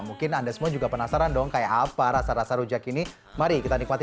mungkin anda semua juga penasaran dong kayak apa rasa rasa rujak ini mari kita nikmati